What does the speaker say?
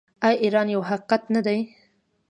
آیا ایران یو حقیقت نه دی؟